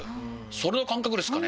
それの感覚ですかね？